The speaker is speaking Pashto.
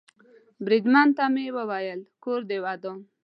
بریدمن ته مې وویل: کور دې ودان.